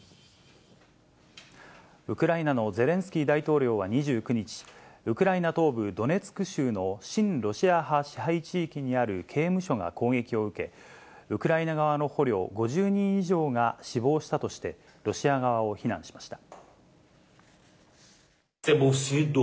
ウクライナのゼレンスキー大統領は２９日、ウクライナ東部ドネツク州の親ロシア派支配地域にある刑務所が攻撃を受け、ウクライナ側の捕虜５０人以上が死亡したとして、ロシア側を非難しました。